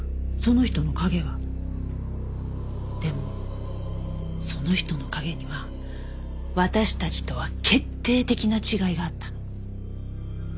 でもその人の影には私たちとは決定的な違いがあったの。